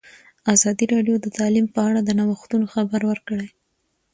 ازادي راډیو د تعلیم په اړه د نوښتونو خبر ورکړی.